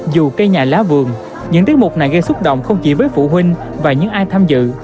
dù cây nhà lá vườn những tiết mục này gây xúc động không chỉ với phụ huynh và những ai tham dự